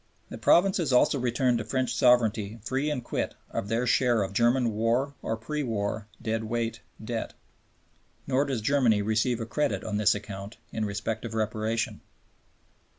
The provinces also return to French sovereignty free and quit of their share of German war or pre war dead weight debt; nor does Germany receive a credit on this account in respect of Reparation.